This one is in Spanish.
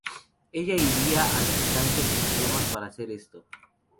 Ella irá a distancias extremas para hacer esto.